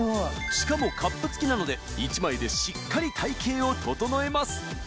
しかもカップ付きなので１枚でしっかり体形を整えます